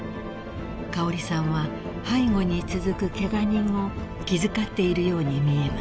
［香織さんは背後に続くケガ人を気遣っているように見えます］